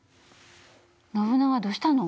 ノブナガどうしたの？